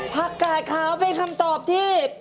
ภาคการณ์ขาวเป็นคำตอบที่